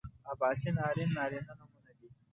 اباسین ارین نارینه نومونه دي